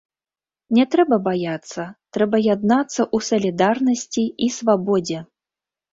Не трэба баяцца, трэба яднацца ў салідарнасці і свабодзе.